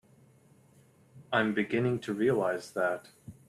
I'm beginning to realize that.